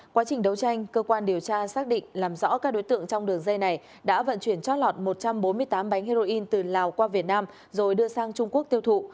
quá trình đấu tranh cơ quan điều tra xác định làm rõ các đối tượng trong đường dây này đã vận chuyển chót lọt một trăm bốn mươi tám bánh heroin từ lào qua việt nam rồi đưa sang trung quốc tiêu thụ